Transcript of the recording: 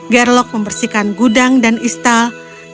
gerlok membersihkan gudang dan istal